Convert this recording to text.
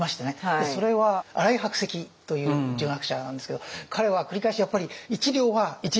それは新井白石という儒学者なんですけど彼は繰り返しやっぱり１両は１両であるべきだと。